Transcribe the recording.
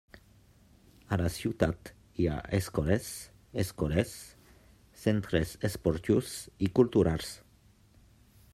A la ciutat hi ha escoles, escoles, centres esportius i culturals.